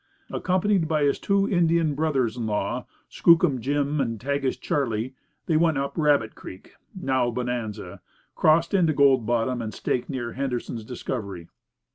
Accompanied by his two Indian brothers in law, Skookum Jim and Tagish Charley, he went up Rabbit Creek (now Bonanza), crossed into Gold Bottom, and staked near Henderson's discovery.